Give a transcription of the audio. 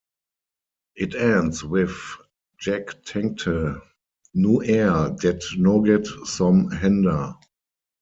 It ends with Jeg tenkte: Nu er det noget som hender.